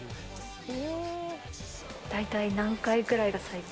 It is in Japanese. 大体何回ぐらいが最高？